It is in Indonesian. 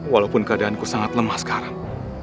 walaupun keadaanku sangat lemah sekarang